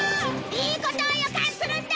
いいことを予感するんだ！